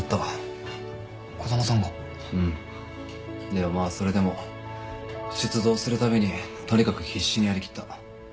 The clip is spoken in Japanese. でもまあそれでも出動するたびにとにかく必死にやりきった。